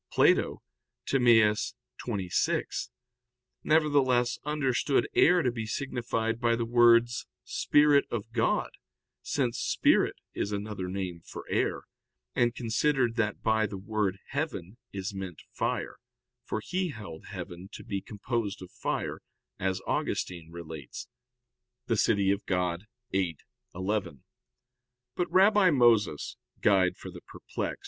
Plato (Timaeus xxvi), nevertheless, understood air to be signified by the words, "Spirit of God," since spirit is another name for air, and considered that by the word heaven is meant fire, for he held heaven to be composed of fire, as Augustine relates (De Civ. Dei viii, 11). But Rabbi Moses (Perplex.